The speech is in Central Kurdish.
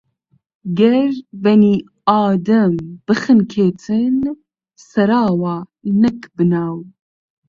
گەر بەنی ئادەم بخنکێتن، سەراوە نەک بناو